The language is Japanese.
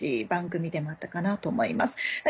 番組でもあったかなと思います。